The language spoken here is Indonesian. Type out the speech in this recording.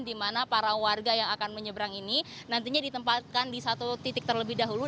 di mana para warga yang akan menyeberang ini nantinya ditempatkan di satu titik terlebih dahulu